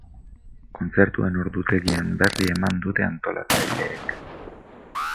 Kontzertuen ordutegien berri eman dute antolatzaileek.